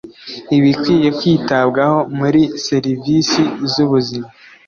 ibikwiye kwitabwaho muri serivisi z ubuzima